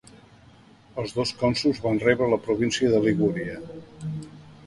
Els dos cònsols van rebre la província de Ligúria.